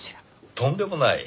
とんでもない。